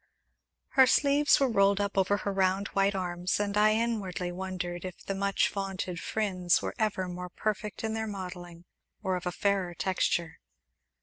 Her sleeves were rolled up over her round, white arms, and I inwardly wondered if the much vaunted Phryne's were ever more perfect in their modelling, or of a fairer texture.